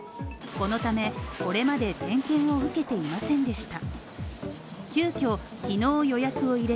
このため、これまで点検を受けていませんでした。